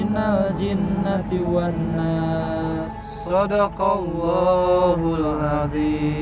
nanti kita sambut